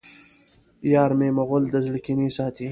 یارمی مغل د زړه کینې ساتي